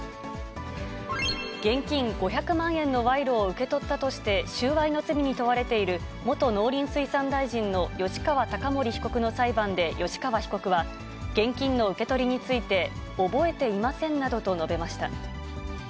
現金５００万円の賄賂を受け取ったとして収賄の罪に問われている元農林水産大臣の吉川貴盛被告の裁判で吉川被告は、現金の受け取りについて、覚えていませんなどと述べました。